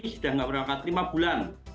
sudah tidak berangkat lima bulan